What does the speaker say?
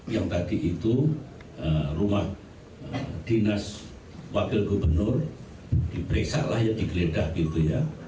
yang tadi itu rumah dinas wakil gubernur di bresa lah yang digeledah gitu ya